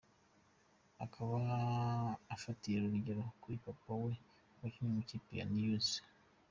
akaba afatira urugero kuri papa we wakinnye mu ikipe ya New.